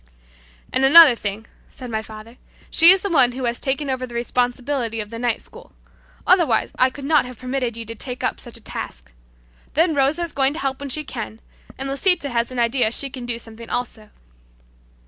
"And another thing," said my father, "she is the one who has taken over the responsibility of the night school. Otherwise I could not have permitted you to take up such a task. Then Rosa is going to help when she can, and Lisita has an idea she can do something also."